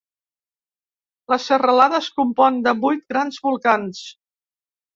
La serralada es compon de vuit grans volcans.